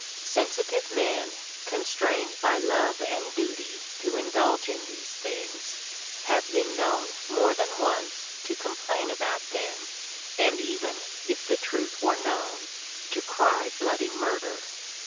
Sensitive men, constrained by love and duty to indulge in these things, have been known more than once to complain about them and even, if the truth were known, to cry bloody murder.